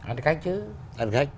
ăn khách chứ